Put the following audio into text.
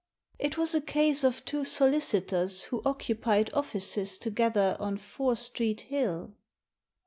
It was a case of two solicitors who occupied offices together on Fore Street Hill."